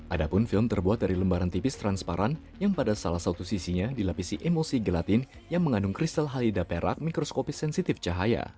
ada pun film terbuat dari lembaran tipis transparan yang pada salah satu sisinya dilapisi emosi gelatin yang mengandung kristal halida perak mikroskopi sensitif cahaya